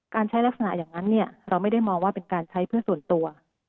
ใช้ลักษณะอย่างนั้นเราไม่ได้มองว่าเป็นการใช้เพื่อส่วนตัว